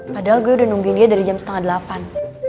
padahal gue udah nungguin dia dari jam setengah delapan